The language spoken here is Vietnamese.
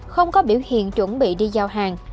không có biểu hiện chuẩn bị đi giao hàng